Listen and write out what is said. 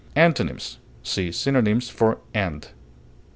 Antonyms: See synonyms for END.